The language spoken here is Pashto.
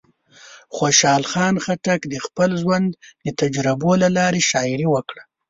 خوشحال خان خټک د خپل ژوند د تجربو له لارې شاعري وکړه.